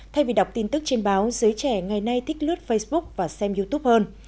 thay vì đọc tin tức trên báo giới trẻ ngày nay thích lướt facebook và xem youtube hơn